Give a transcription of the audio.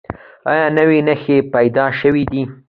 ایا نوي نښې پیدا شوي دي؟